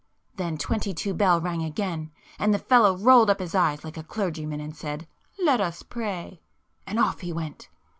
Then twenty two bell rang again, and the fellow rolled up his eyes like a clergyman and said, 'Let us pray!' and off he went."